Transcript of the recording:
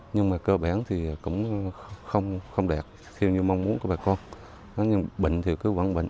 nhưng mà cơ bản thì cũng không đẹp theo như mong muốn của bà con